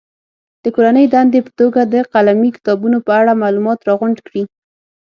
د کورنۍ دندې په توګه د قلمي کتابونو په اړه معلومات راغونډ کړي.